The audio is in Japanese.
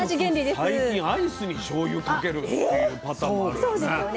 最近アイスにしょうゆかけるっていうパターンもあるよね。